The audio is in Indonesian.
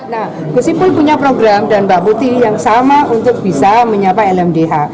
nah gusipul punya program dan mbak putih yang sama untuk bisa menyapa lmdh